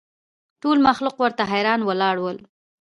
ټول مخلوق ورته حیران ولاړ ول